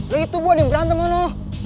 lagi tuh buat yang berantem mano